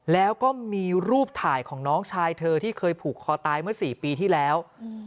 แล้วก็มีรูปถ่ายของน้องชายเธอที่เคยผูกคอตายเมื่อ๔ปีที่แล้ว